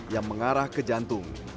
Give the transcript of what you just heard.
yang mengarah ke jantung